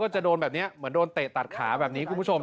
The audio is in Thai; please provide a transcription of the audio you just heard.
จะโดนแบบนี้เหมือนโดนเตะตัดขาแบบนี้คุณผู้ชม